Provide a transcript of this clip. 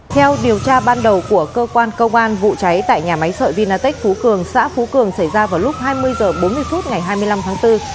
theo điều tra ban đầu của cơ quan công an vụ cháy tại nhà máy sợi vinatech phú cường xã phú cường xảy ra vào lúc hai mươi h bốn mươi phút ngày hai mươi năm tháng bốn